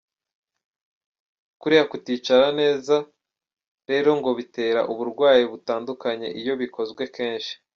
Kuriya kuticara neza rero ngo bitera uburwayi butandukanye iyo bikozwe kenshi.